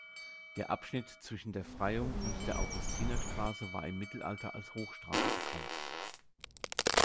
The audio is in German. Der Abschnitt zwischen der Freyung und der Augustinerstraße war im Mittelalter als "Hochstraße" bekannt.